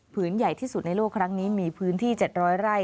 ใหญ่ที่สุดในโลกครั้งนี้มีพื้นที่๗๐๐ไร่